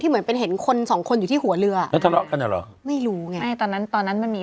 ผมเป็นฉอดฟาดหัวอะไรอย่างนี้